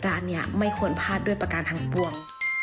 ร้านนี้ไม่ควรพลาดด้วยประการทางปวง